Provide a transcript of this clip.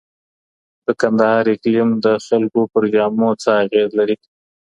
د کندهار اقلیم د خلګو پر جامو څه اغېز لري؟